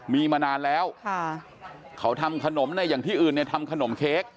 มีมานานแล้วเขาทำขนมเนี่ยอย่างที่อื่นเนี่ยทำขนมเค้ก